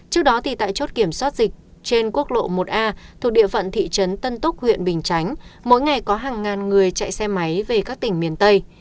trước đó tại chốt kiểm soát dịch trên quốc lộ một a thuộc địa phận thị trấn tân túc huyện bình chánh mỗi ngày có hàng ngàn người chạy xe máy về các tỉnh miền tây